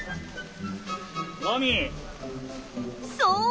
そう！